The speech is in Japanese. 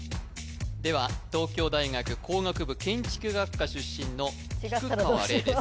では東京大学工学部建築学科出身の菊川怜です